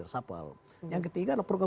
reshuffle yang ketiga adalah program